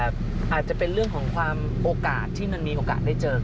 อาจจะเป็นเรื่องของความโอกาสที่มันมีโอกาสได้เจอ